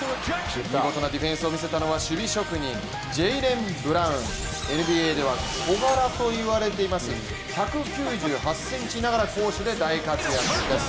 見事なディフェンスを見せたのは守備職人、ジェイレン・ブラウンＮＢＡでは小柄といわれています１９８ｃｍながら、攻守で大活躍です。